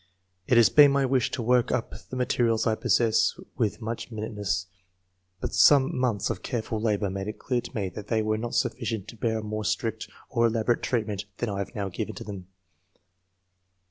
It had been my wish to work up the ma terials I possess with much minuteness; but some months of careful labour made it clear to me that they were not sufficient to bear a more strict or elaborate treatment than I have now given to them.